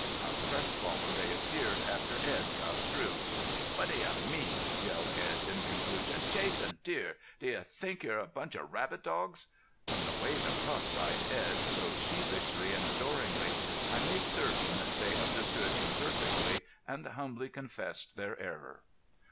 How crestfallen they appeared after Edd got through! "Whaddaye mean," yelled Edd, in conclusion. "Chasin' deer!... Do you think you're a lot of rabbit dogs?" From the way the pups eyed Edd so sheepishly and adoringly, I made certain they understood him perfectly, and humbly confessed their error.